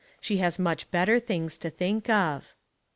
She has much better things to think of.